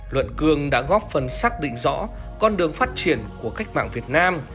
luận cương đã góp phần xác định rõ con đường phát triển của cách mạng việt nam